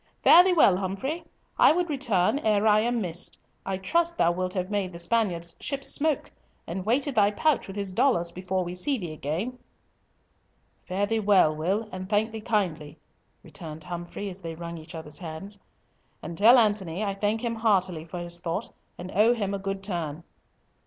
"Fare thee well, Humfrey. I would return ere I am missed. I trust thou wilt have made the Spaniard's ships smoke, and weighted thy pouch with his dollars, before we see thee again." "Fare thee well, Will, and thank thee kindly," returned Humfrey, as they wrung each other's hands. "And tell Antony that I thank him heartily for his thought, and owe him a good turn."